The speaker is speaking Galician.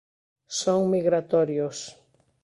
Son migratorios.